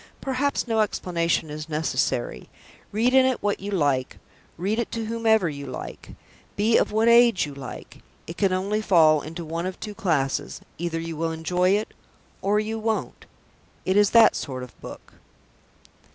Perhaps no explanation is necessary. Read in it what you like; read it to whomever you like; be of what age you like; it can only fall into one of two classes. Either you will enjoy it, or you won't. It is that sort of book.